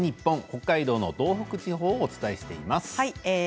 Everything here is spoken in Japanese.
北海道の道北地方をお伝えしています。